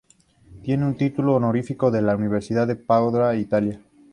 Tiene un título honorífico de la Universidad de Padua, Italia.